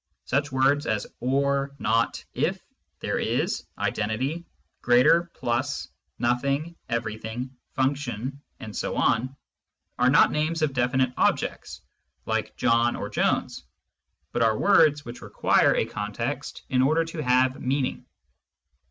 Such words as or^ noty if^ there isy identityy greater^ pluSy nothings everything^ function^ and so on, are not names of definite objects, like " John " or " Jones," but are words which require a context in order to have meaning.